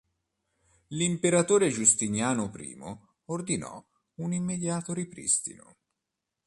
L'imperatore Giustiniano I ordinò un immediato ripristino.